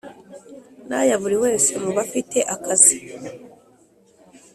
n aya buri wese mu bafite akazi